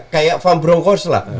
kayak van bronckhorst lah